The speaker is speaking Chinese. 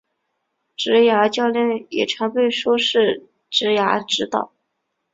职涯教练也常被说是职涯指导。